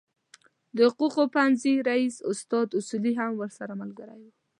د حقوقو پوهنځي رئیس استاد اصولي هم ورسره ملګری و.